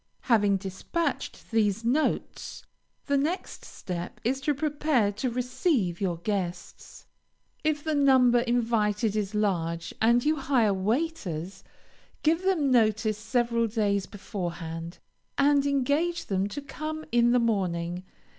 Having dispatched these notes, the next step is to prepare to receive your guests. If the number invited is large, and you hire waiters, give them notice several days beforehand, and engage them to come in the morning.